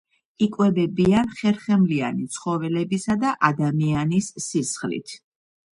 იკვებებიან ხერხემლიანი ცხოველებისა და ადამიანის სისხლით.